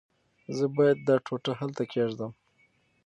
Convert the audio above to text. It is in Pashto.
زه باید دا ټوټه هلته کېږدم.